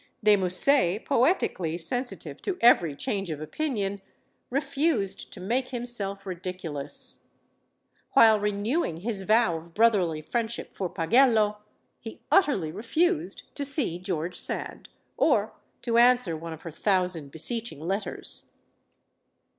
De Musset, poetically sensitive to every change of opinion, refused to make himself ridiculous. While renewing his vow of brotherly friendship for Pagello, he utterly refused to see George Sand, or to answer one of her thousand beseeching letters.